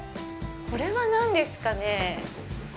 これは何ですかね。